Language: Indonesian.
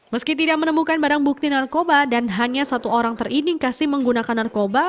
meski tidak menemukan barang bukti narkoba dan hanya satu orang terindikasi menggunakan narkoba